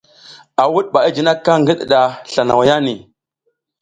A wuɗ ɓa i jinikaƞ ngi ɗiɗa sla nawaya nihi.